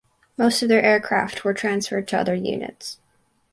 Most of their aircraft were transferred to other units.